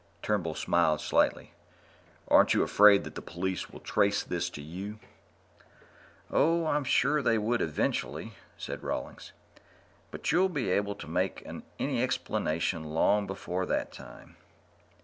Turnbull smiled slightly. "Aren't you afraid that the police will trace this to you?" "Oh, I'm sure they would eventually," said Rawlings, "but you'll be free to make any explanations long before that time."